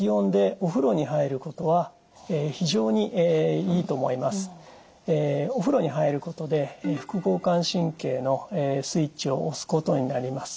お風呂に入ることで副交感神経のスイッチを押すことになります。